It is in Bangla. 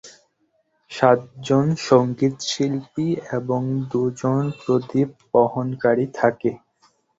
সাতজন সংগীতশিল্পী এবং দুজন প্রদীপ বহনকারী থাকে।